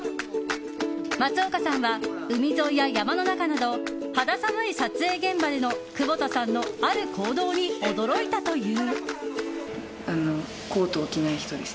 松岡さんは、海沿いや山の中など肌寒い撮影現場での窪田さんのある行動に驚いたという。